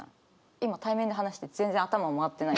今対面で話してて全然頭回ってないです。